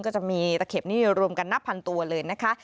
ตะเข็บนี่รวมกันนับพันตัวเลยนะคะ